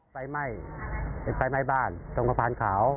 ไฟไหม่ไฟไหม้บ้านตรงธรรมพลังขาว